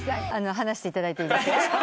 話していただいていいですよ。